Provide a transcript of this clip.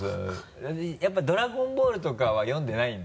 やっぱり「ドラゴンボール」とかは読んでないんだ？